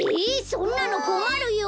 そんなのこまるよ。